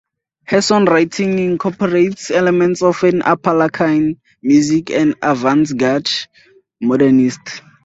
Her song-writing incorporates elements of Appalachian music and avant-garde modernism.